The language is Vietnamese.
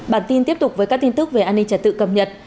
bản tin tiếp tục với các tin tức về an ninh chất tử cập nhật